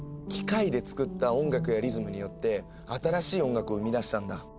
機械で作った音楽やリズムによって新しい音楽を生み出したんだ。